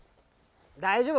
大丈夫。